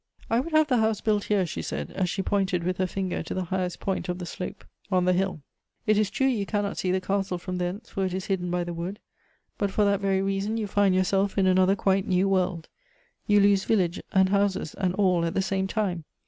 " I would have the house built here," she said, as she pointed with her finger to the highest point of the slope 68 Goethe's on the hill. " It is true you cannot see the castle from thence, for it is hidden by the wood ; but for that very reason you find yourself in another quite new world ; you lose village and houses and all at the same time.